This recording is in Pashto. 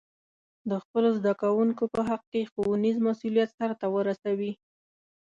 د خپلو زده کوونکو په حق کې ښوونیز مسؤلیت سرته ورسوي.